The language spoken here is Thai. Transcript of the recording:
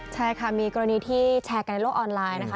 ใช่ค่ะมีกรณีที่แชร์กันในโลกออนไลน์นะคะ